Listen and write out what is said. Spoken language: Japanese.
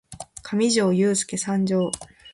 かみじょーゆーすーけ参上！